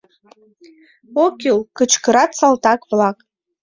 Ок кӱл! — кычкырат салтак-влак.